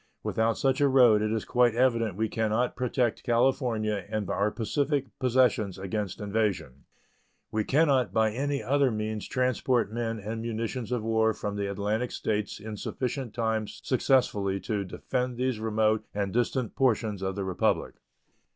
Without such a road it is quite evident we can not "protect" California and our Pacific possessions "against invasion." We can not by any other means transport men and munitions of war from the Atlantic States in sufficient time successfully to defend these remote and distant portions of the Republic.